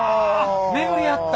巡り合った！